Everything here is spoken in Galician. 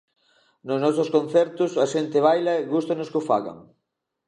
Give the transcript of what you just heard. Nos nosos concertos a xente baila e gústanos que o fagan.